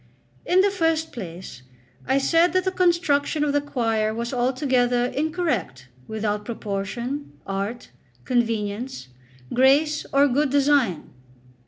In the first place, I said that the construction of the choir was altogether incorrect, without proportion, art, convenience, grace, or good design.